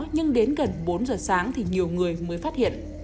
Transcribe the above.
nhưng đến gần bốn giờ sáng thì nhiều người mới phát hiện